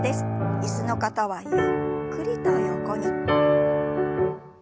椅子の方はゆっくりと横に。